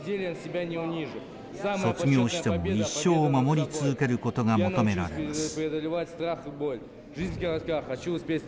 卒業しても一生守り続けることが求められます。